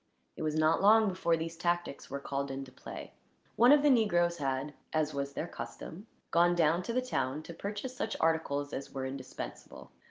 It was not long before these tactics were called into play. One of the negroes had, as was their custom, gone down to the town, to purchase such articles as were indispensable.